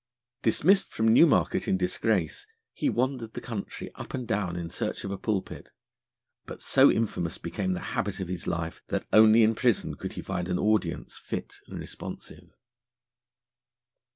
Dismissed from Newmarket in disgrace, he wandered the country up and down in search of a pulpit, but so infamous became the habit of his life that only in prison could he find an audience fit and responsive.